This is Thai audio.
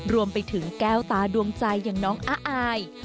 รวมไปถึงแก้วตาดวงใจอย่างน้องอาย